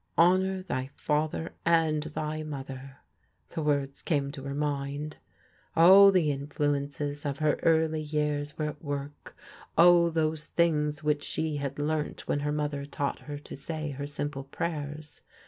" Honour thy father and thy mother." The words came to her mind. All the influences of her early years were at work. All those things which she had learnt when her mother taught her to say her simple prayers.